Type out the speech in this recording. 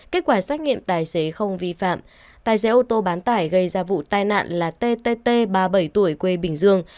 kết quả xét nghiệm tài xế không vi phạm tài xế ô tô bán tải gây ra vụ tai nạn là tt ba mươi bảy tuổi quê bình dương